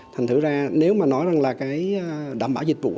thành thử ra nếu mà nói rằng là cái đảm bảo dịch vụ